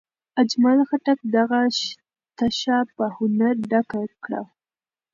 اجمل خټک دغه تشه په هنر ډکه کړه.